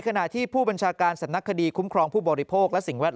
ขณะที่ผู้บัญชาการสำนักคดีคุ้มครองผู้บริโภคและสิ่งแวด